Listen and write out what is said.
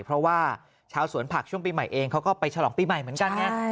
เพราะว่าชาวสวนผักช่วงปีใหม่เองเขาก็ไปฉลองปีใหม่เหมือนกันไง